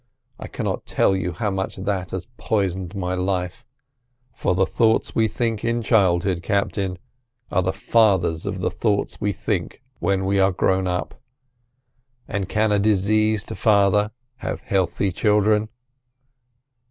I cannot tell you how much that has poisoned my life, for the thoughts we think in childhood, Captain, are the fathers of the thoughts we think when we are grown up. And can a diseased father—have healthy children?"